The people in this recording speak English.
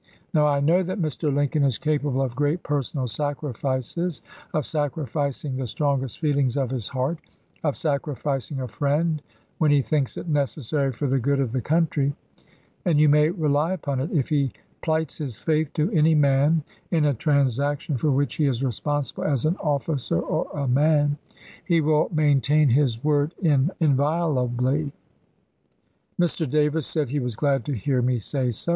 Now I know that Mr. Lincoln is capable of great personal sacri fices— of sacrificing the strongest feelings of his heart, of sacrificing a friend when he thinks it necessary for the good of the country; and you may rely upon it, if he plights his faith to any man in a transaction for which he is responsible as an officer or a man, he will maintain his word inviolably.' Mr. Davis said he was glad to hear me say so.